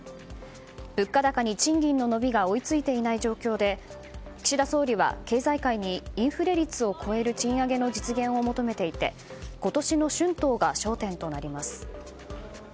物価高に賃金の伸びが追いついていない状況で岸田総理は経済界にインフレ率を超える賃上げの実現を求めていて今年の春闘が焦点となります。